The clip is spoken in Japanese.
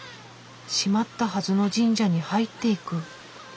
閉まったはずの神社に入っていく。